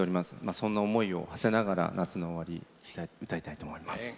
そんな思いをはせながら「夏の終わり」を歌いたいと思います。